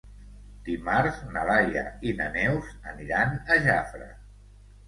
Dimarts na Laia i na Neus aniran a Jafre.